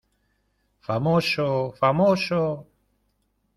¡ famoso, famoso!...